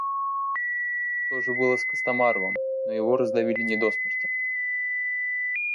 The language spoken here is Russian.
То же было с Костомаровым, но его раздавили не до смерти.